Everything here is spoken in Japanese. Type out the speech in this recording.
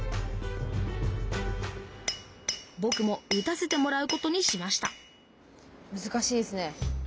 ぼくも打たせてもらうことにしましたむずかしいですね。